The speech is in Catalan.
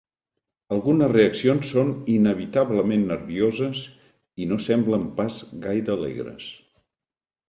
Algunes reaccions són inevitablement nervioses i no semblen pas gaire alegres.